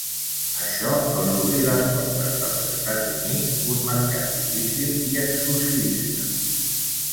Això els obrí les portes dels Estats Units, un mercat difícil i exclusivista.